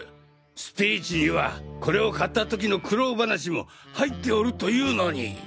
スピーチにはこれを買った時の苦労話も入っておるというのに。